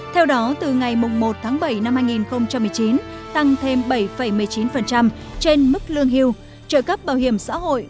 theo đó từ ngày một tháng bảy năm hai nghìn một mươi chín tăng thêm bảy một mươi chín trên mức lương hưu trợ cấp bảo hiểm xã hội